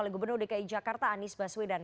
oleh gubernur dki jakarta anies baswedan